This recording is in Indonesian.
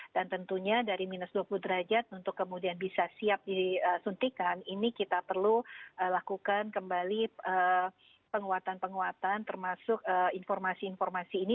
dan tentunya dari minus dua puluh derajat untuk kemudian bisa siap disuntikan ini kita perlu lakukan kembali penguatan penguatan termasuk informasi informasi ini